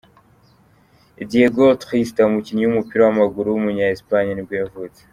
Diego Tristán, umukinnyi w’umupira w’amaguru w’umunya Espagne nibwo yavutse.